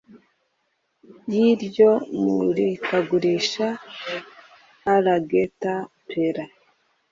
y'iryo murikagurisha a la gaetta pelle